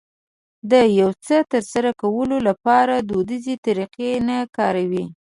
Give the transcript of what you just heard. د يو څه ترسره کولو لپاره دوديزې طريقې نه کاروي.